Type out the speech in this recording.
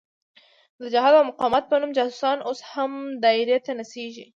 د جهاد او مقاومت په نوم جاسوسان اوس هم دایرې ته نڅېږي.